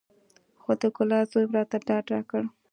خو د ګلاب زوى راته ډاډ راکړ.